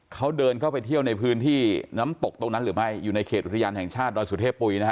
เขาเดินเข้าไปเที่ยวในพื้นที่น้ำตกตรงนั้นหรือไม่อยู่ในเขตอุทยานแห่งชาติดอยสุเทพปุ๋ยนะฮะ